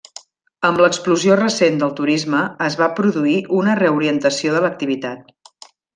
Amb l'explosió recent del turisme, es va produir una reorientació de l'activitat.